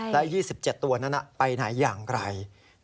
และ๒๗ตัวนั้นไปไหนอย่างไร